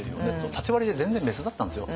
縦割りで全然別だったんですよ。